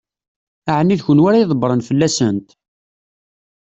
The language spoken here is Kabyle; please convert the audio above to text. Ɛni d kenwi ara ydebbṛen fell-asent?